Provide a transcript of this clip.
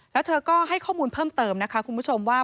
แล้วเธอก็ให้ข้อมูลเพิ่มเติมนะคะคุณผู้ชมว่า